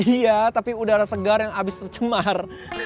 iya tapi udara segar yang habis tercemar